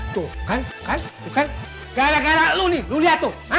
tuh kan gara gara lo nih lu lihat tuh